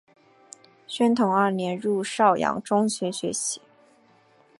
宣统二年入邵阳中学学习。